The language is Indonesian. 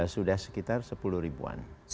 sudah sekitar sepuluh ribuan